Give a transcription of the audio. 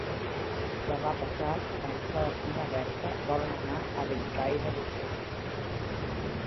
Demà passat en Sol i na Berta volen anar a Bellcaire d'Urgell.